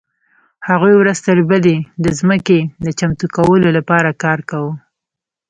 هغوی ورځ تر بلې د ځمکې د چمتو کولو لپاره کار کاوه.